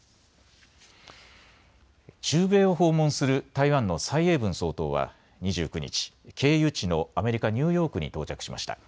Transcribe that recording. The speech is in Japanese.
中米を訪問する台湾の蔡英文総統は２９日、経由地のアメリカ・ニューヨークに到着しました。